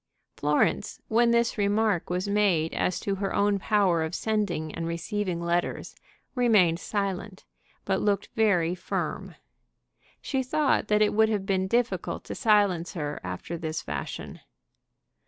Florence, when this remark was made as to her own power of sending and receiving letters, remained silent, but looked very firm. She thought that it would have been difficult to silence her after this fashion.